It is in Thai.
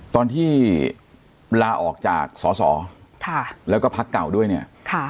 ตอนที่ลาออกจากสอสอค่ะแล้วก็พักเก่าด้วยเนี่ยค่ะ